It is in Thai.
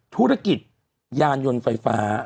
ธุรกิจยานยนต์ไฟฟ้า